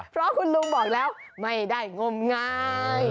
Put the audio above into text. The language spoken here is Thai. เพราะคุณลุงบอกแล้วไม่ได้งมงาย